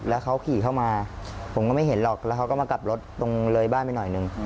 แล้วเขาขี่เข้ามาผมก็ไม่เห็นหรอกแล้วเขาก็มากลับรถตรงเลยบ้านไปหน่อยหนึ่ง